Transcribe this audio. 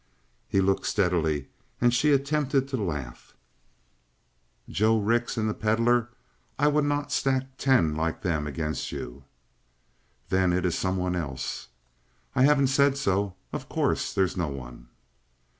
He looked steadily and she attempted to laugh. "Joe Rix and the Pedlar? I would not stack ten like them against you!" "Then it is someone else." "I haven't said so. Of course there's no one."